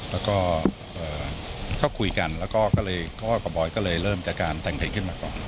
แล้วก็คุยกันแล้วก็กับบอยก็เลยเริ่มจากการแต่งเพลงขึ้นมาก่อน